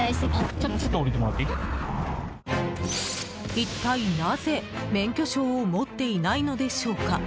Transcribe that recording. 一体なぜ、免許証を持っていないのでしょうか。